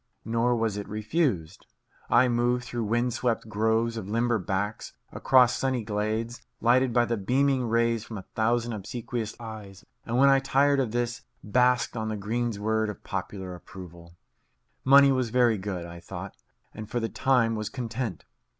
Nor was it refused. I moved through wind swept groves of limber backs; across sunny glades, lighted by the beaming rays from a thousand obsequious eyes; and when I tired of this, basked on the greensward of popular approval. Money was very good, I thought, and for the time was content.